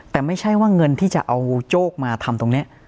แต่ไม่ใช่ว่าเงินที่จะเอาโจ๊กมาทำตรงนี้